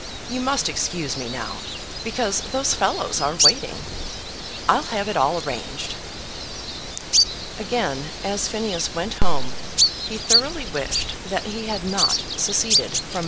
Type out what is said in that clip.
You must excuse me now, because those fellows are waiting. I'll have it all arranged." Again as Phineas went home he thoroughly wished that he had not seceded from Mr. Low.